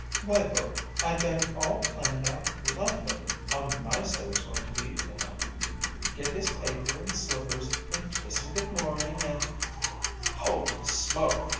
Why, Burke, I'd got it all planned out lovely, how nice I was going to be to him get his paper and slippers, and kiss him good morning, and " "Holy smoke!